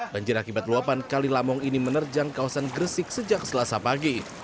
banjir akibat luapan kali lamong ini menerjang kawasan gresik sejak selasa pagi